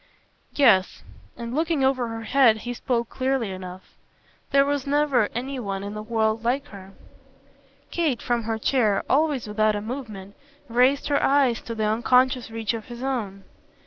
"Yes." And looking over her head he spoke clearly enough. "There was never any one in the world like her." Kate, from her chair, always without a movement, raised her eyes to the unconscious reach of his own.